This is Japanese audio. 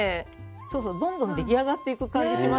そうそうどんどん出来上がっていく感じしますよね。